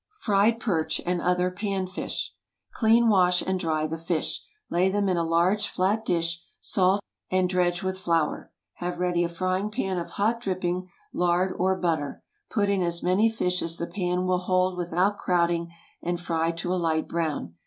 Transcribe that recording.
FRIED PERCH, AND OTHER PAN FISH. Clean, wash, and dry the fish. Lay them in a large flat dish, salt, and dredge with flour. Have ready a frying pan of hot dripping, lard, or butter; put in as many fish as the pan will hold without crowding, and fry to a light brown.